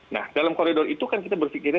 nah dalam kredo itu kan kita berfikirnya